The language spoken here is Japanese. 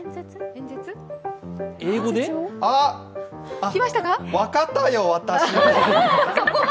あっ、分かったよ、私も。